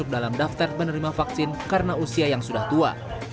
dalam daftar menerima vaksin karena usia yang sudah tua